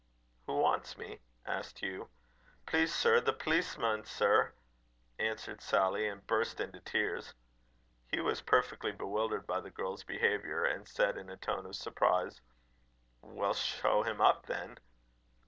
"Who wants me?" asked Hugh. "Please, sir, the pleaceman, sir," answered Sally, and burst into tears. Hugh was perfectly bewildered by the girl's behaviour, and said in a tone of surprise: "Well, show him up, then."